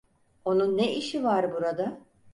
Onun ne işi var burada?